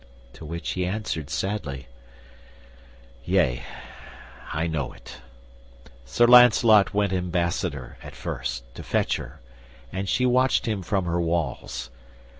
To which he answered sadly, "Yea, I know it. Sir Lancelot went ambassador, at first, To fetch her, and she watched him from her walls.